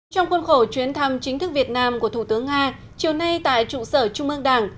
trong khuôn khổ chuyến thăm chính thức việt nam của thủ tướng nga chiều nay tại trụ sở trung ương đảng